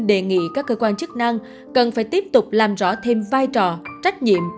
hội bảo vệ quyền trẻ em tp hcm đề nghị các cơ quan chức năng cần phải tiếp tục làm rõ thêm vai trò trách nhiệm